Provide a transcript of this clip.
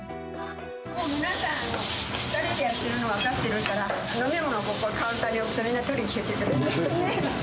もう皆さん、２人でやってるのが分かっているから、飲み物をカウンターに置くと、みんな、取りに来てくれる。